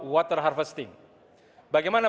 water harvesting bagaimana